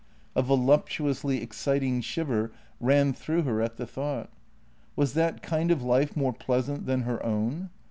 A voluptuously exciting shiver ran through her at the thought. Was that kind of life more pleasant than her own?